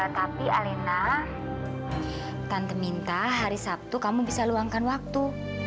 tapi alena tante minta hari sabtu kamu bisa luangkan waktu